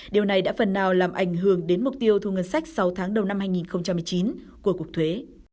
điều này đã phần nào làm ảnh hưởng đến mục tiêu thu ngân sách sáu tháng đầu năm hai nghìn một mươi chín của cục thuế